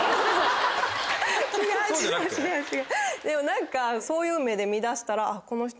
でも何かそういう目で見だしたら。